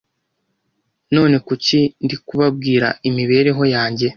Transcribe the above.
None kuki ndikubabwira imibereho yanjye?